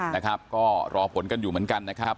นะครับก็รอผลกันอยู่เหมือนกันนะครับ